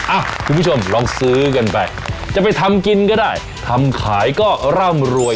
คุณผู้ชมลองซื้อกันไปจะไปทำกินก็ได้ทำขายก็ร่ำรวย